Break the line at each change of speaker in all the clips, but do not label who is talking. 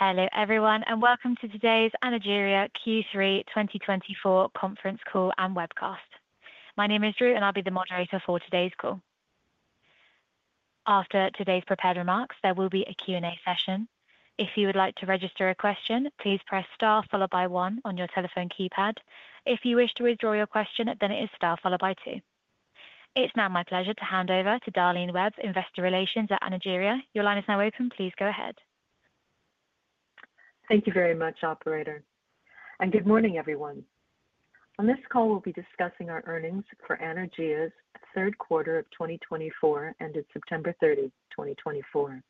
Hello everyone, and welcome to today's Anaergia Q3 2024 conference call and webcast. My name is Ruth, and I'll be the moderator for today's call. After today's prepared remarks, there will be a Q&A session. If you would like to register a question, please press star followed by one on your telephone keypad. If you wish to withdraw your question, then it is star followed by two. It's now my pleasure to hand over to Darlene Webb, Investor Relations at Anaergia. Your line is now open. Please go ahead.
Thank you very much, Operator, and good morning, everyone. On this call, we'll be discussing our earnings for Anaergia's third quarter of 2024 ended September 30, 2024.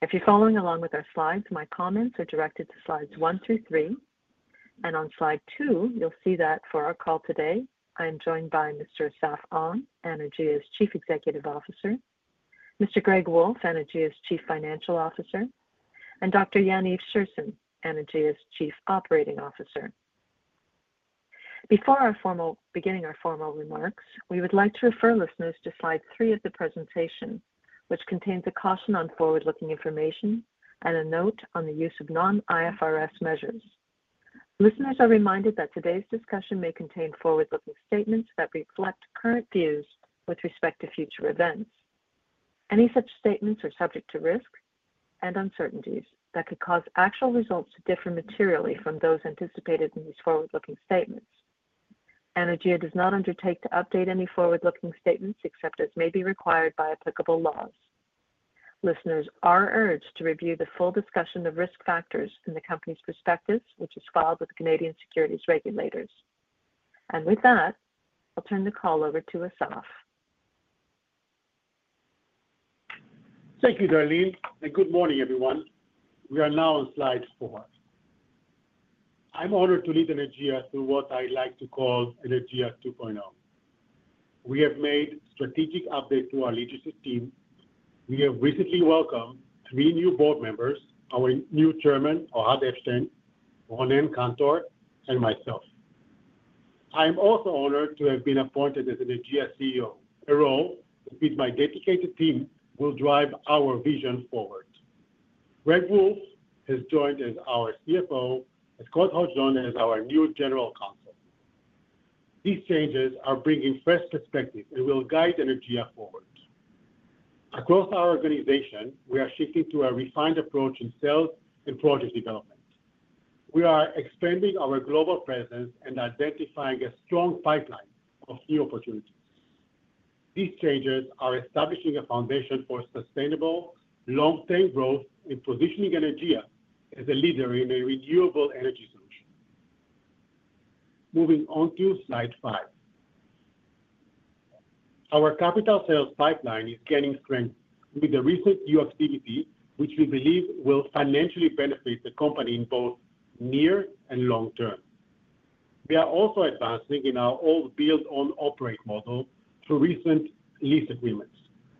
If you're following along with our slides, my comments are directed to slides one through three, and on slide two, you'll see that for our call today, I am joined by Mr. Assaf Onn, Anaergia's Chief Executive Officer, Mr. Greg Wolf, Anaergia's Chief Financial Officer, and Dr. Yaniv Scherson, Anaergia's Chief Operating Officer. Before beginning our formal remarks, we would like to refer listeners to slide three of the presentation, which contains a caution on forward-looking information and a note on the use of non-IFRS measures. Listeners are reminded that today's discussion may contain forward-looking statements that reflect current views with respect to future events. Any such statements are subject to risk and uncertainties that could cause actual results to differ materially from those anticipated in these forward-looking statements. Anaergia does not undertake to update any forward-looking statements except as may be required by applicable laws. Listeners are urged to review the full discussion of risk factors from the company's perspective, which is filed with the Canadian securities regulators. And with that, I'll turn the call over to Assaf.
Thank you, Darlene. Good morning, everyone. We are now on slide four. I'm honored to lead Anaergia through what I like to call Anaergia 2.0. We have made strategic updates to our leadership team. We have recently welcomed three new board members: our new Chairman, Ohad Epstein, Ronen Kantor, and myself. I'm also honored to have been appointed as Anaergia CEO, a role with which my dedicated team will drive our vision forward. Greg Wolf has joined as our CFO, and Scott Hodgson as our new General Counsel. These changes are bringing fresh perspectives and will guide Anaergia forward. Across our organization, we are shifting to a refined approach in sales and project development. We are expanding our global presence and identifying a strong pipeline of new opportunities. These changes are establishing a foundation for sustainable, long-term growth and positioning Anaergia as a leader in a renewable energy solution. Moving on to slide five. Our capital sales pipeline is gaining strength with the recent new activity, which we believe will financially benefit the company in both near and long term. We are also advancing in our build-own-operate model through recent lease agreements,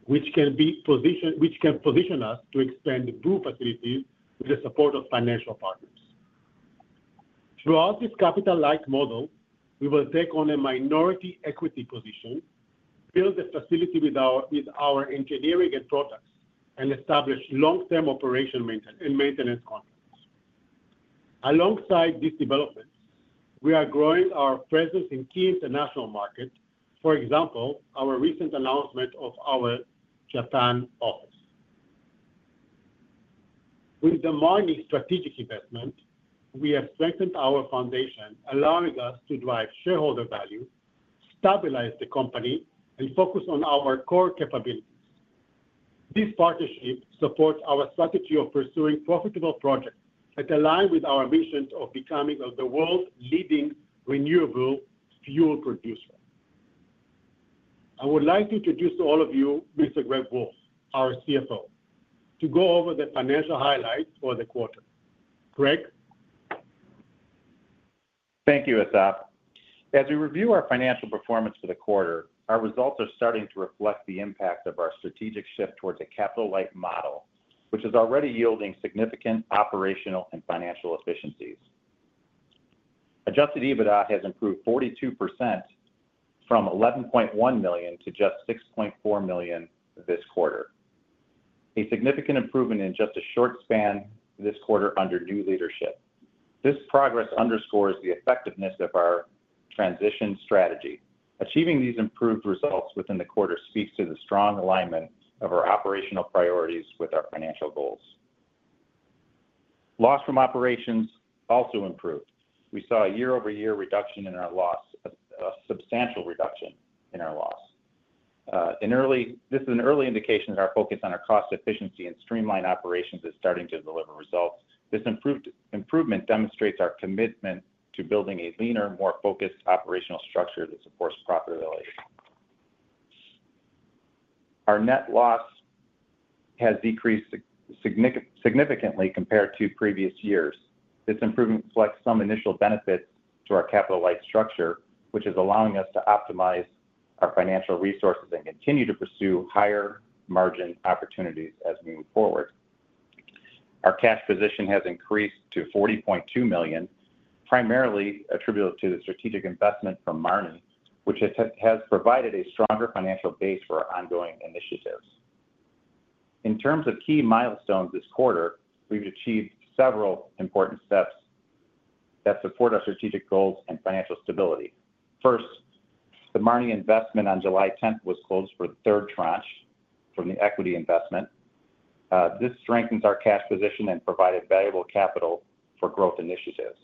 which can position us to expand the BOO facilities with the support of financial partners. Throughout this capital-light model, we will take on a minority equity position, build a facility with our engineering and products, and establish long-term operation and maintenance contracts. Alongside these developments, we are growing our presence in key international markets, for example, our recent announcement of our Japan office. With the Mya Energy strategic investment, we have strengthened our foundation, allowing us to drive shareholder value, stabilize the company, and focus on our core capabilities. This partnership supports our strategy of pursuing profitable projects that align with our mission of becoming the world's leading renewable fuel producer. I would like to introduce to all of you Mr. Greg Wolf, our CFO, to go over the financial highlights for the quarter. Greg.
Thank you, Assaf. As we review our financial performance for the quarter, our results are starting to reflect the impact of our strategic shift towards a capital-light model, which is already yielding significant operational and financial efficiencies. Adjusted EBITDA has improved 42% from 11.1 million to just 6.4 million this quarter, a significant improvement in just a short span this quarter under new leadership. This progress underscores the effectiveness of our transition strategy. Achieving these improved results within the quarter speaks to the strong alignment of our operational priorities with our financial goals. Loss from operations also improved. We saw a year-over-year reduction in our loss, a substantial reduction in our loss. This is an early indication that our focus on our cost efficiency and streamlined operations is starting to deliver results. This improvement demonstrates our commitment to building a leaner, more focused operational structure that supports profitability. Our net loss has decreased significantly compared to previous years. This improvement reflects some initial benefits to our capital-light structure, which is allowing us to optimize our financial resources and continue to pursue higher margin opportunities as we move forward. Our cash position has increased to 40.2 million, primarily attributed to the strategic investment from Mya Energy, which has provided a stronger financial base for our ongoing initiatives. In terms of key milestones this quarter, we've achieved several important steps that support our strategic goals and financial stability. First, the Mya Energy investment on July 10th was closed for the third tranche from the equity investment. This strengthens our cash position and provided valuable capital for growth initiatives.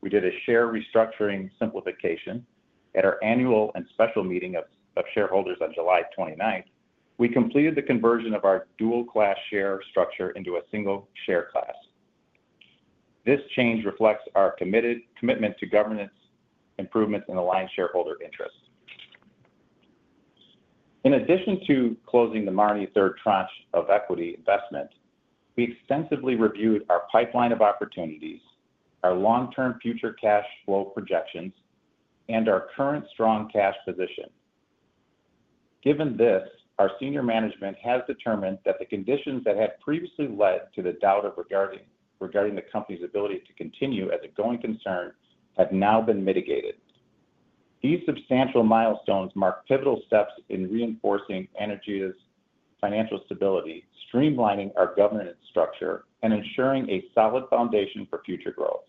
We did a share restructuring simplification at our annual and special meeting of shareholders on July 29th. We completed the conversion of our dual-class share structure into a single share class. This change reflects our commitment to governance improvements and aligned shareholder interests. In addition to closing the Mya Energy third tranche of equity investment, we extensively reviewed our pipeline of opportunities, our long-term future cash flow projections, and our current strong cash position. Given this, our senior management has determined that the conditions that had previously led to the doubt regarding the company's ability to continue as a going concern have now been mitigated. These substantial milestones mark pivotal steps in reinforcing Anaergia's financial stability, streamlining our governance structure, and ensuring a solid foundation for future growth.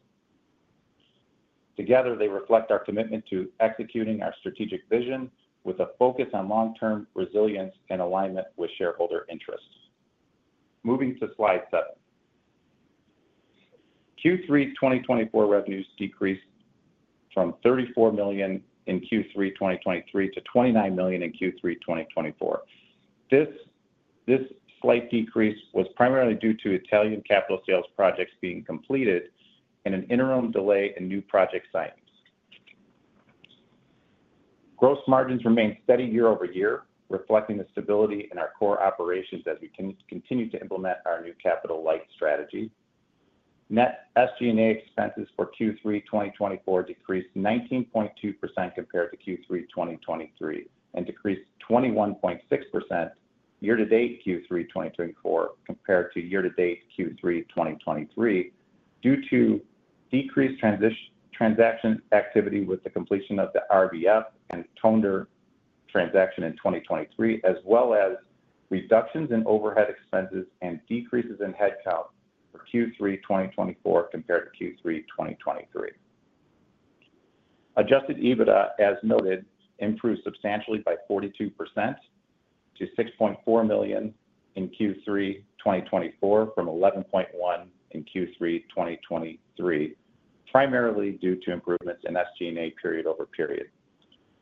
Together, they reflect our commitment to executing our strategic vision with a focus on long-term resilience and alignment with shareholder interests. Moving to slide seven. Q3 2024 revenues decreased from 34 million in Q3 2023 to 29 million in Q3 2024. This slight decrease was primarily due to Italian capital sales projects being completed and an interim delay in new project signings. Gross margins remained steady year-over-year, reflecting the stability in our core operations as we continue to implement our new capital-light strategy. Net SG&A expenses for Q3 2024 decreased 19.2% compared to Q3 2023 and decreased 21.6% year-to-date Q3 2024 compared to year-to-date Q3 2023 due to decreased transaction activity with the completion of the RBF and Tønder transaction in 2023, as well as reductions in overhead expenses and decreases in headcount for Q3 2024 compared to Q3 2023. Adjusted EBITDA, as noted, improved substantially by 42% to 6.4 million in Q3 2024 from 11.1 million in Q3 2023, primarily due to improvements in SG&A period over period.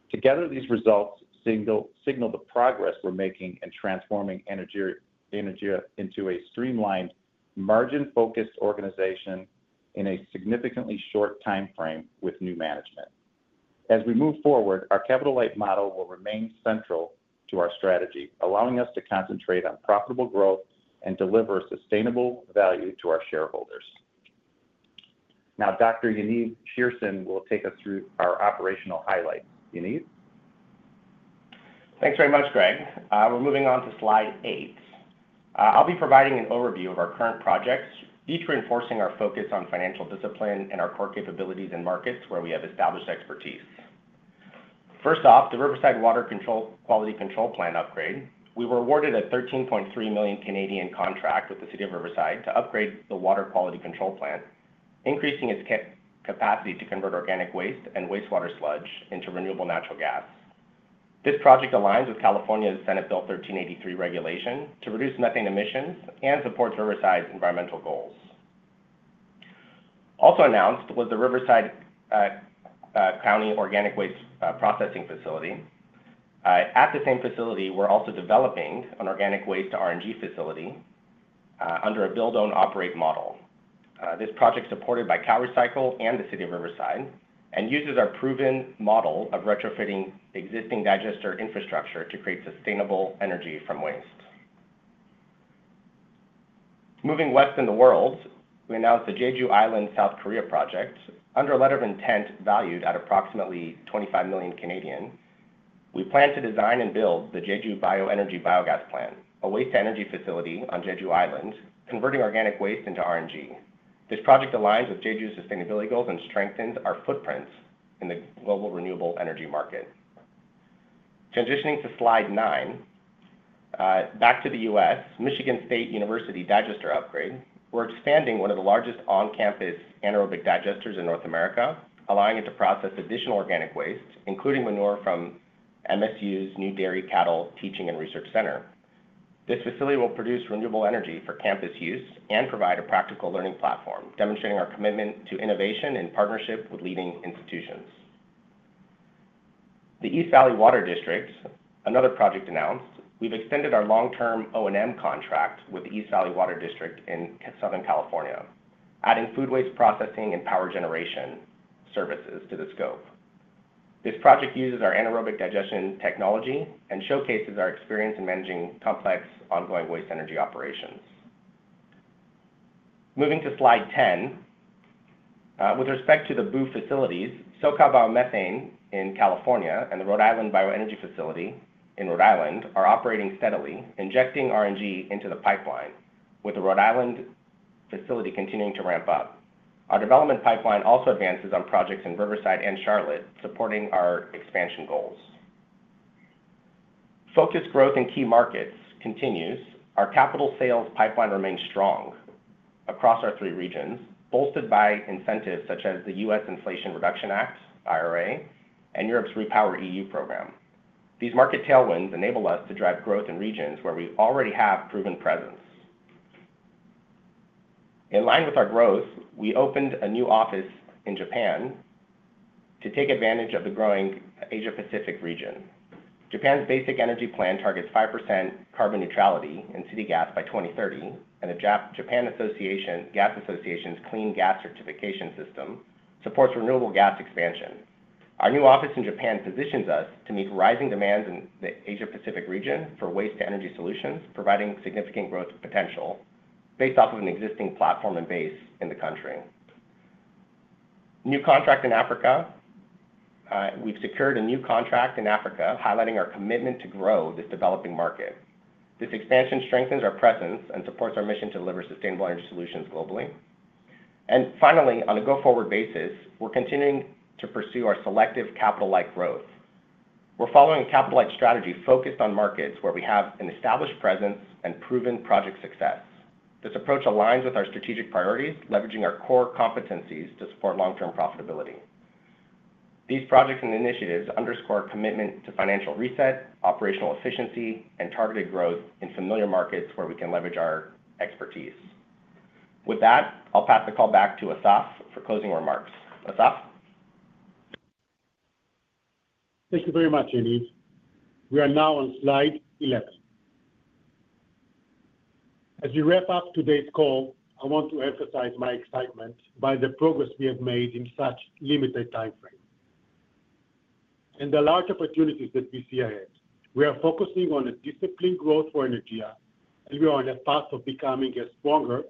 Together, these results signal the progress we're making in transforming Anaergia into a streamlined, margin-focused organization in a significantly short timeframe with new management. As we move forward, our capital-light model will remain central to our strategy, allowing us to concentrate on profitable growth and deliver sustainable value to our shareholders. Now, Dr. Yaniv Scherson will take us through our operational highlights. Yaniv.
Thanks very much, Greg. We're moving on to slide eight. I'll be providing an overview of our current projects, each reinforcing our focus on financial discipline and our core capabilities in markets where we have established expertise. First off, the Riverside Water Quality Control Plant upgrade. We were awarded a 13.3 million contract with the City of Riverside to upgrade the water quality control plant, increasing its capacity to convert organic waste and wastewater sludge into renewable natural gas. This project aligns with California's Senate Bill 1383 regulation to reduce methane emissions and supports Riverside's environmental goals. Also announced was the Riverside County Organic Waste Processing Facility. At the same facility, we're also developing an organic waste RNG facility under a build-own-operate model. This project is supported by CalRecycle and the City of Riverside and uses our proven model of retrofitting existing digester infrastructure to create sustainable energy from waste. Moving west in the world, we announced the Jeju Island South Korea project. Under a letter of intent valued at approximately 25 million, we plan to design and build the Jeju Bioenergy Biogas Plant, a waste-to-energy facility on Jeju Island, converting organic waste into RNG. This project aligns with Jeju's sustainability goals and strengthens our footprint in the global renewable energy market. Transitioning to slide nine, back to the U.S., Michigan State University Digester Upgrade. We're expanding one of the largest on-campus anaerobic digesters in North America, allowing it to process additional organic waste, including manure from MSU's New Dairy Cattle Teaching and Research Center. This facility will produce renewable energy for campus use and provide a practical learning platform, demonstrating our commitment to innovation and partnership with leading institutions. The East Valley Water District, another project announced. We've extended our long-term O&M contract with the East Valley Water District in Southern California, adding food waste processing and power generation services to the scope. This project uses our anaerobic digestion technology and showcases our experience in managing complex ongoing waste-to-energy operations. Moving to slide 10, with respect to the both facilities, SoCal Biomethane in California and the Rhode Island Bioenergy Facility in Rhode Island are operating steadily, injecting RNG into the pipeline, with the Rhode Island facility continuing to ramp up. Our development pipeline also advances on projects in Riverside and Charlotte, supporting our expansion goals. Focused growth in key markets continues. Our capital sales pipeline remains strong across our three regions, bolstered by incentives such as the U.S. Inflation Reduction Act, IRA, and Europe's REPowerEU program. These market tailwinds enable us to drive growth in regions where we already have proven presence. In line with our growth, we opened a new office in Japan to take advantage of the growing Asia-Pacific region. Japan's Basic Energy Plan targets 5% carbon neutrality in city gas by 2030, and the Japan Gas Association's Clean Gas Certification System supports renewable gas expansion. Our new office in Japan positions us to meet rising demands in the Asia-Pacific region for waste-to-energy solutions, providing significant growth potential based off of an existing platform and base in the country. New contract in Africa. We've secured a new contract in Africa, highlighting our commitment to grow this developing market. This expansion strengthens our presence and supports our mission to deliver sustainable energy solutions globally, and finally, on a go-forward basis, we're continuing to pursue our selective capital-light growth. We're following a capital-light strategy focused on markets where we have an established presence and proven project success. This approach aligns with our strategic priorities, leveraging our core competencies to support long-term profitability. These projects and initiatives underscore our commitment to financial reset, operational efficiency, and targeted growth in familiar markets where we can leverage our expertise. With that, I'll pass the call back to Assaf for closing remarks. Assaf.
Thank you very much, Yaniv. We are now on slide 11. As we wrap up today's call, I want to emphasize my excitement by the progress we have made in such a limited timeframe and the large opportunities that we see ahead. We are focusing on a disciplined growth for Anaergia, and we are on a path of becoming a stronger,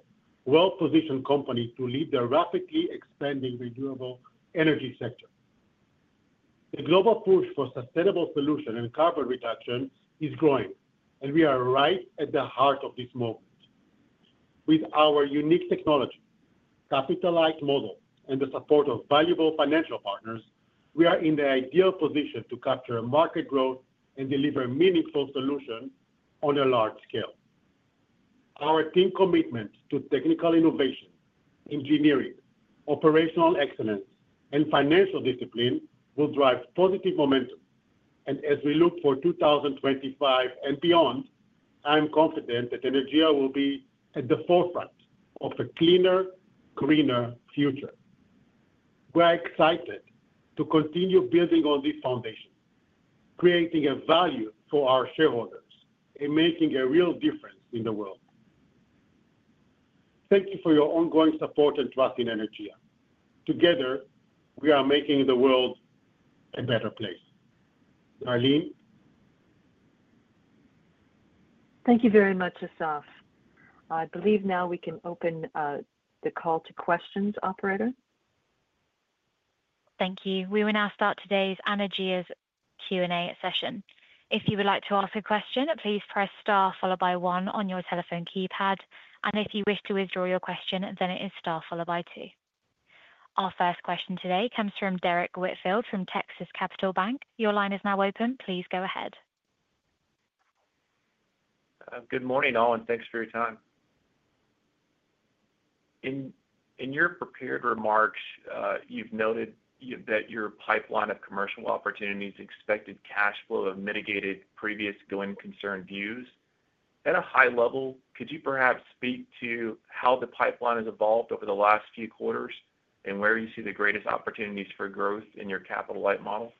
well-positioned company to lead the rapidly expanding renewable energy sector. The global push for sustainable solutions and carbon reduction is growing, and we are right at the heart of this moment. With our unique technology, capital-light model, and the support of valuable financial partners, we are in the ideal position to capture market growth and deliver meaningful solutions on a large scale. Our team commitment to technical innovation, engineering, operational excellence, and financial discipline will drive positive momentum. And as we look for 2025 and beyond, I'm confident that Anaergia will be at the forefront of a cleaner, greener future. We are excited to continue building on this foundation, creating a value for our shareholders and making a real difference in the world. Thank you for your ongoing support and trust in Anaergia. Together, we are making the world a better place. Darlene.
Thank you very much, Assaf. I believe now we can open the call to questions, operator.
Thank you. We will now start today's Anaergia's Q&A session. If you would like to ask a question, please press star followed by one on your telephone keypad. If you wish to withdraw your question, then it is star followed by two. Our first question today comes from Derrick Whitfield from Texas Capital Bank. Your line is now open. Please go ahead.
Good morning, all, and thanks for your time. In your prepared remarks, you've noted that your pipeline of commercial opportunities, expected cash flow, and mitigated previous going concern views. At a high level, could you perhaps speak to how the pipeline has evolved over the last few quarters and where you see the greatest opportunities for growth in your capital-light model?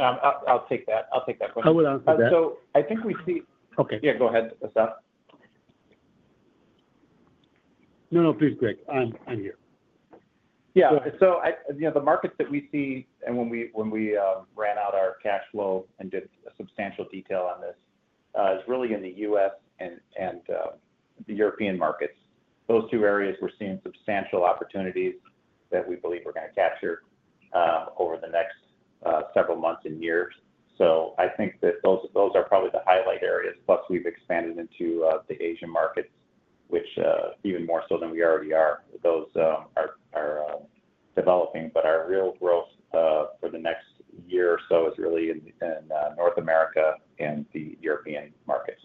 I'll take that question.
I would answer that.
I think we see.
Okay. Yeah, go ahead, Assaf.
No, no, please, Greg. I'm here.
Yeah. So the markets that we see, and when we ran out our cash flow and did a substantial detail on this, it's really in the U.S. and the European markets. Those two areas we're seeing substantial opportunities that we believe we're going to capture over the next several months and years. So I think that those are probably the highlight areas. Plus, we've expanded into the Asian markets, which even more so than we already are. Those are developing, but our real growth for the next year or so is really in North America and the European markets.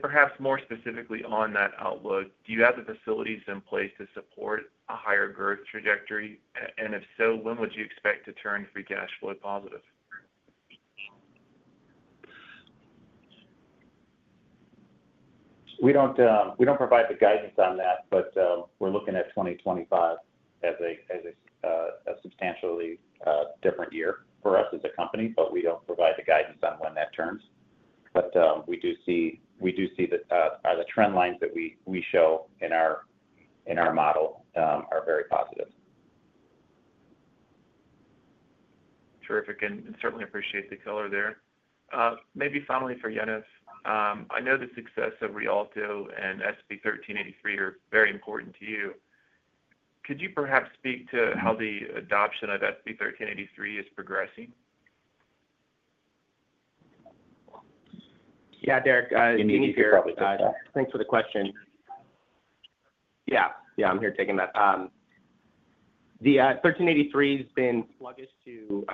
Perhaps more specifically on that outlook, do you have the facilities in place to support a higher growth trajectory? If so, when would you expect to turn free cash flow positive?
We don't provide the guidance on that, but we're looking at 2025 as a substantially different year for us as a company, but we don't provide the guidance on when that turns, but we do see that the trend lines that we show in our model are very positive.
Terrific, and certainly appreciate the color there. Maybe finally for Yaniv, I know the success of Rialto and SB 1383 are very important to you. Could you perhaps speak to how the adoption of SB 1383 is progressing?
Yeah, Derek.
Yaniv here probably does.
Thanks for the question. Yeah, yeah, I'm here taking that. The 1383 has been sluggish to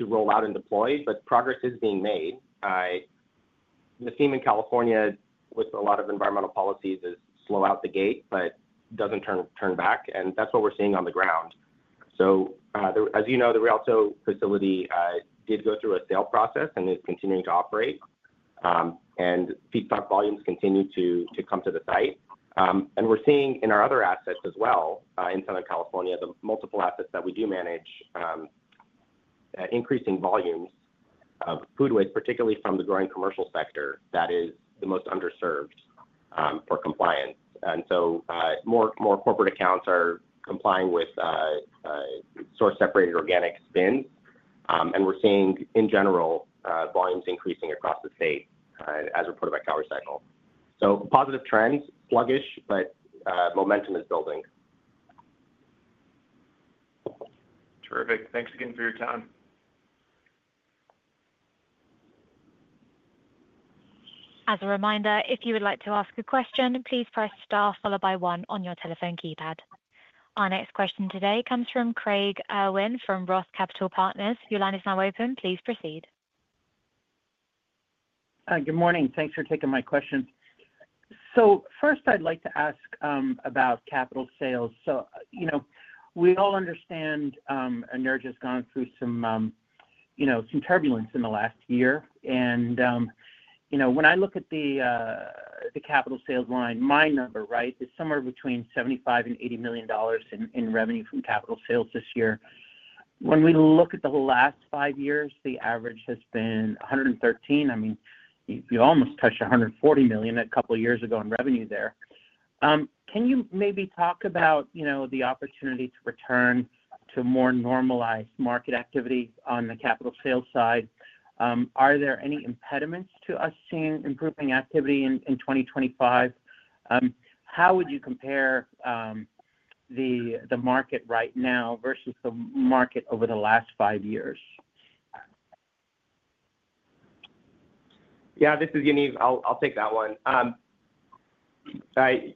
roll out and deploy, but progress is being made. The theme in California with a lot of environmental policies is slow out the gate, but doesn't turn back. That's what we're seeing on the ground. So as you know, the Rialto facility did go through a sale process and is continuing to operate, and feedstock volumes continue to come to the site, and we're seeing in our other assets as well in Southern California, the multiple assets that we do manage, increasing volumes of food waste, particularly from the growing commercial sector that is the most underserved for compliance, and so more corporate accounts are complying with source-separated organics, and we're seeing, in general, volumes increasing across the state as reported by CalRecycle. Positive trends, sluggish, but momentum is building.
Terrific. Thanks again for your time.
As a reminder, if you would like to ask a question, please press star followed by one on your telephone keypad. Our next question today comes from Craig Irwin from Roth Capital Partners. Your line is now open. Please proceed.
Good morning. Thanks for taking my questions. So first, I'd like to ask about capital sales. So we all understand Anaergia has gone through some turbulence in the last year. And when I look at the capital sales line, my number, right, is somewhere between $75 million-$80 million in revenue from capital sales this year. When we look at the last five years, the average has been 113. I mean, you almost touched 140 million a couple of years ago in revenue there. Can you maybe talk about the opportunity to return to more normalized market activity on the capital sales side? Are there any impediments to us seeing improving activity in 2025? How would you compare the market right now versus the market over the last five years?
Yeah, this is Yaniv. I'll take that one.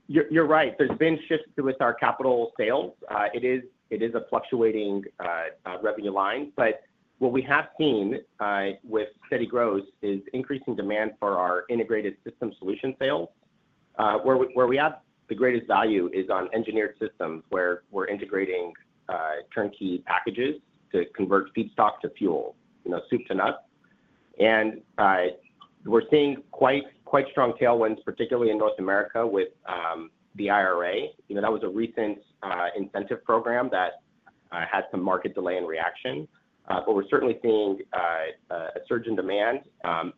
You're right. There's been shifts with our capital sales. It is a fluctuating revenue line. But what we have seen with steady growth is increasing demand for our integrated system solution sales. Where we have the greatest value is on engineered systems where we're integrating turnkey packages to convert feedstock to fuel, soup to nuts. And we're seeing quite strong tailwinds, particularly in North America with the IRA. That was a recent incentive program that had some market delay in reaction. But we're certainly seeing a surge in demand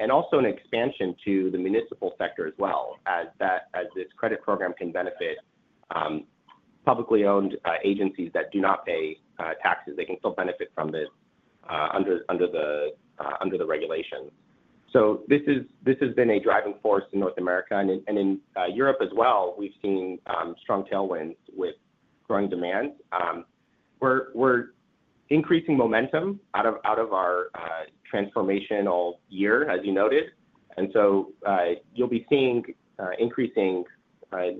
and also an expansion to the municipal sector as well, as this credit program can benefit publicly owned agencies that do not pay taxes. They can still benefit from this under the regulations. So this has been a driving force in North America. In Europe as well, we've seen strong tailwinds with growing demand. We're increasing momentum out of our transformational year, as you noted. You'll be seeing increasing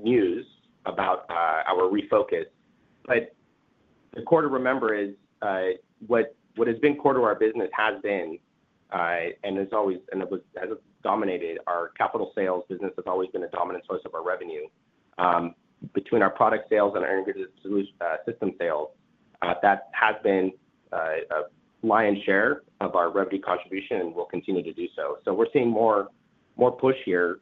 news about our refocus. The core to remember is what has been core to our business has been and has always dominated our capital sales business. It's always been a dominant source of our revenue. Between our product sales and our integrated system sales, that has been a lion's share of our revenue contribution and will continue to do so. We're seeing more push here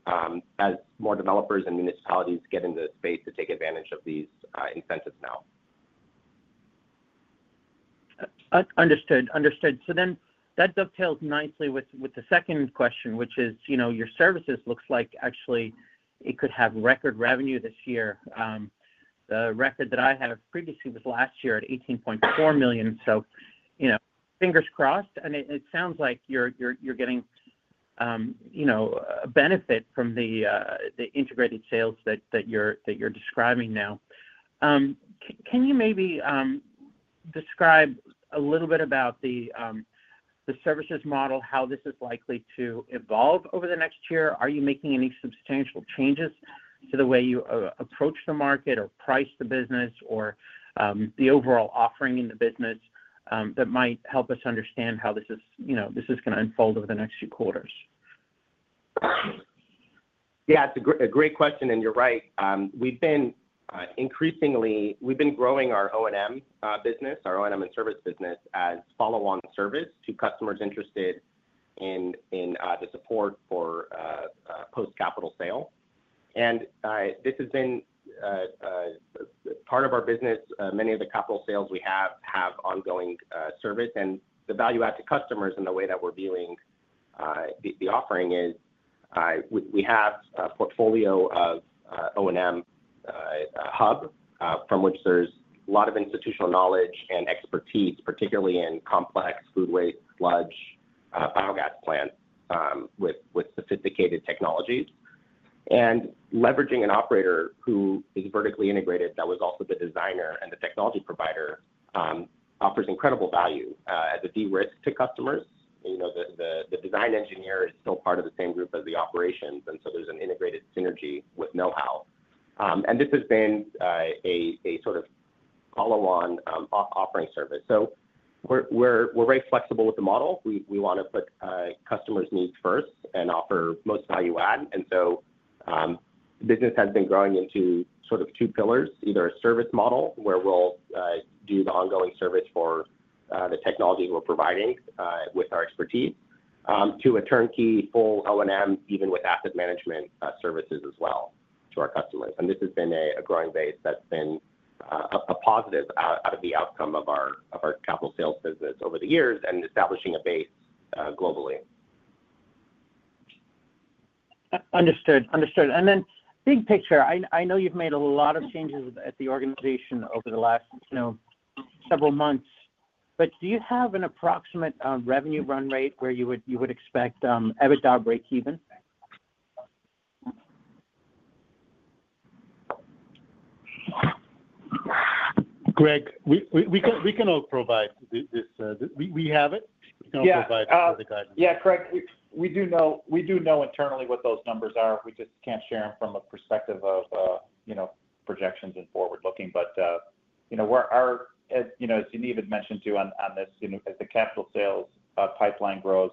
as more developers and municipalities get into the space to take advantage of these incentives now.
Understood. So then that dovetails nicely with the second question, which is your services looks like actually it could have record revenue this year. The record that I have previously was last year at 18.4 million. So fingers crossed. And it sounds like you're getting a benefit from the integrated sales that you're describing now. Can you maybe describe a little bit about the services model, how this is likely to evolve over the next year? Are you making any substantial changes to the way you approach the market or price the business or the overall offering in the business that might help us understand how this is going to unfold over the next few quarters?
Yeah, it's a great question. And you're right. We've been increasingly growing our O&M business, our O&M and service business as follow-on service to customers interested in the support for post-capital sale. And this has been part of our business. Many of the capital sales we have have ongoing service. And the value-add to customers and the way that we're viewing the offering is we have a portfolio of O&M hub from which there's a lot of institutional knowledge and expertise, particularly in complex food waste, sludge, biogas plants with sophisticated technologies. And leveraging an operator who is vertically integrated that was also the designer and the technology provider offers incredible value as a de-risk to customers. The design engineer is still part of the same group as the operations. And so there's an integrated synergy with know-how. And this has been a sort of follow-on offering service. So we're very flexible with the model. We want to put customers' needs first and offer most value-add. And so the business has been growing into sort of two pillars, either a service model where we'll do the ongoing service for the technology we're providing with our expertise to a turnkey full O&M, even with asset management services as well to our customers. And this has been a growing base that's been a positive out of the outcome of our capital sales business over the years and establishing a base globally.
Understood. Understood. And then big picture, I know you've made a lot of changes at the organization over the last several months, but do you have an approximate revenue run rate where you would expect EBITDA break-even?
Graig, we can all provide this. We have it. We can all provide the guidance.
Yeah, Graig, we do know internally what those numbers are. We just can't share them from a perspective of projections and forward-looking. But as Yaniv had mentioned too on this, as the capital sales pipeline grows,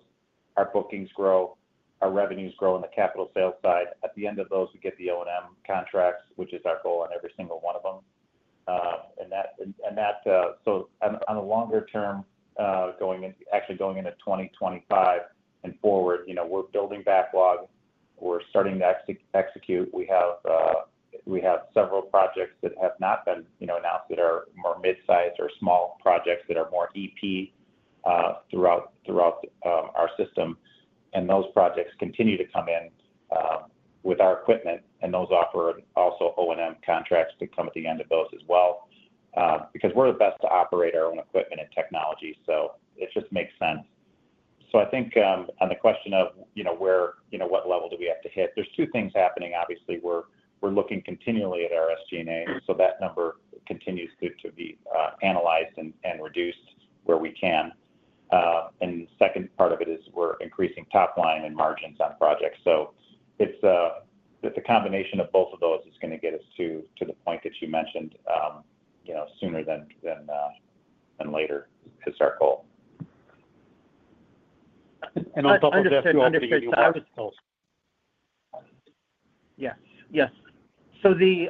our bookings grow, our revenues grow on the capital sales side. At the end of those, we get the O&M contracts, which is our goal on every single one of them. And so on a longer term, actually going into 2025 and forward, we're building backlog. We're starting to execute. We have several projects that have not been announced that are more mid-sized or small projects that are more EPC throughout our system. And those projects continue to come in with our equipment. And those offer also O&M contracts to come at the end of those as well because we're the best to operate our own equipment and technology. So it just makes sense. So I think on the question of what level do we have to hit, there's two things happening. Obviously, we're looking continually at our SG&A. So that number continues to be analyzed and reduced where we can. And the second part of it is we're increasing top line and margins on projects. So the combination of both of those is going to get us to the point that you mentioned sooner than later is our goal.
I'll double-check too after you ask this.
Yes. Yes. So the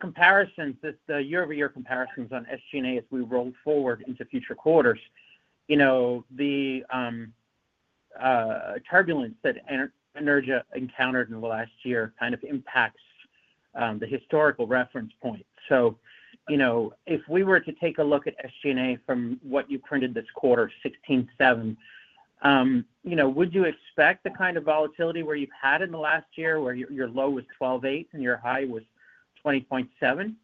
comparisons, the year-over-year comparisons on SG&A as we roll forward into future quarters, the turbulence that Anaergia encountered in the last year kind of impacts the historical reference point. So if we were to take a look at SG&A from what you printed this quarter, 16.7, would you expect the kind of volatility where you've had in the last year where your low was 12.8 and your high was 20.7?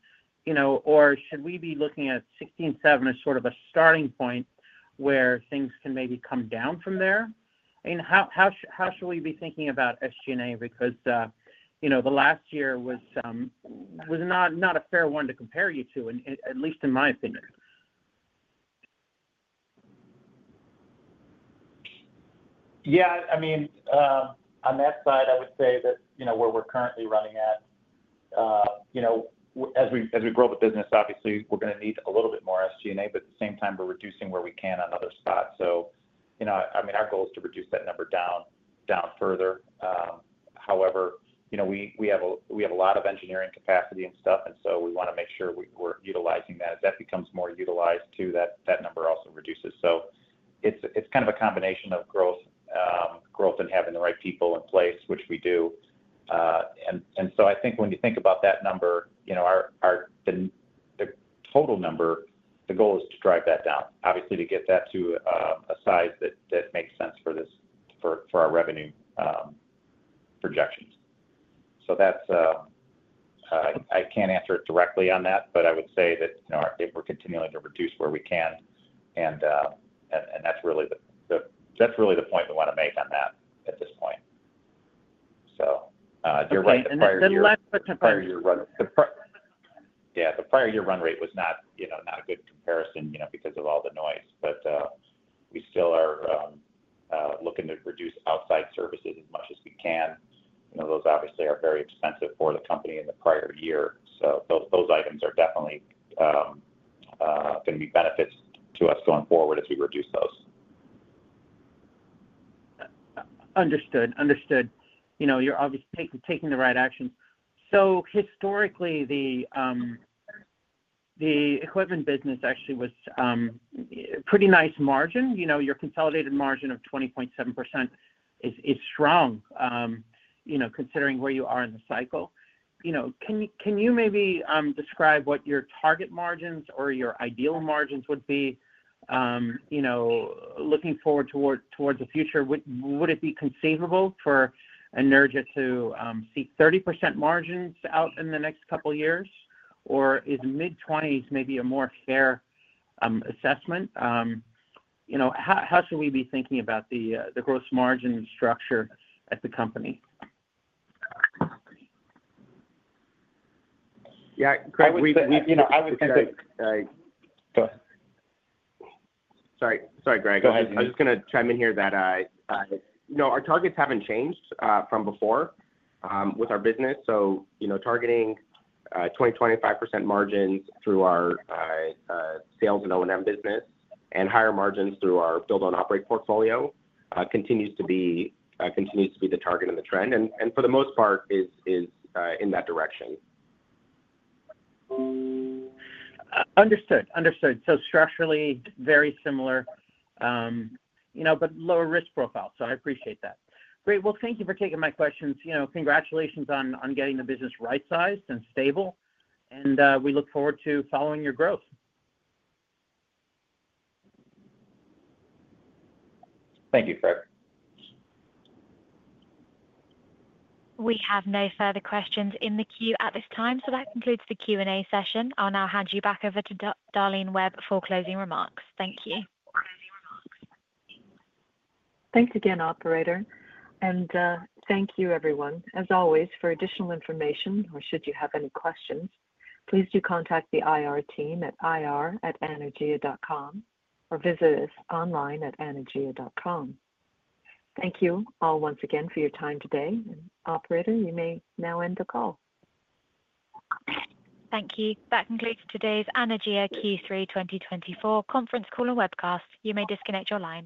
Or should we be looking at 16.7 as sort of a starting point where things can maybe come down from there? And how should we be thinking about SG&A? Because the last year was not a fair one to compare you to, at least in my opinion.
Yeah. I mean, on that side, I would say that where we're currently running at, as we grow the business, obviously, we're going to need a little bit more SG&A. But at the same time, we're reducing where we can on other spots. So I mean, our goal is to reduce that number down further. However, we have a lot of engineering capacity and stuff. And so we want to make sure we're utilizing that. As that becomes more utilized too, that number also reduces. So it's kind of a combination of growth and having the right people in place, which we do. And so I think when you think about that number, the total number, the goal is to drive that down, obviously, to get that to a size that makes sense for our revenue projections. So I can't answer it directly on that, but I would say that we're continuing to reduce where we can. And that's really the point we want to make on that at this point. So you're right.
The prior year run.
Yeah. The prior year run rate was not a good comparison because of all the noise. But we still are looking to reduce outside services as much as we can. Those obviously are very expensive for the company in the prior year. So those items are definitely going to be benefits to us going forward as we reduce those.
Understood. Understood. You're obviously taking the right actions. So historically, the equipment business actually was pretty nice margin. Your consolidated margin of 20.7% is strong considering where you are in the cycle. Can you maybe describe what your target margins or your ideal margins would be looking forward towards the future? Would it be conceivable for Anaergia to see 30% margins out in the next couple of years? Or is mid-20s maybe a more fair assessment? How should we be thinking about the gross margin structure at the company?
Yeah. Graig, we've been.
I was going to.
Sorry. Sorry, Greg. Go ahead.
I was just going to chime in here that our targets haven't changed from before with our business, so targeting 20%-25% margins through our sales and O&M business and higher margins through our build-own-operate portfolio continues to be the target and the trend, and for the most part, is in that direction.
Understood. Understood. So structurally very similar, but lower risk profile. So I appreciate that. Great. Well, thank you for taking my questions. Congratulations on getting the business right-sized and stable, and we look forward to following your growth.
Thank you, Craig.
We have no further questions in the queue at this time. So that concludes the Q&A session. I'll now hand you back over to Darlene Webb for closing remarks. Thank you.
Thanks again, Operator. Thank you, everyone. As always, for additional information or should you have any questions, please do contact the IR team at ir@anaergia.com or visit us online at anaergia.com. Thank you all once again for your time today. Operator, you may now end the call.
Thank you. That concludes today's Anaergia Q3 2024 conference call and webcast. You may disconnect your line.